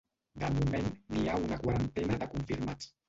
De moment, n’hi ha una quarantena de confirmats.